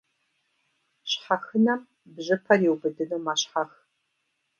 Щхьэхынэм бжьыпэр иубыдыну мэщхьэх.